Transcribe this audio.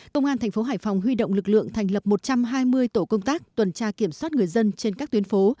công an thành phố hải phòng huy động lực lượng thành lập một trăm hai mươi tổ công tác tuần tra kiểm soát người dân trên các tuyến phố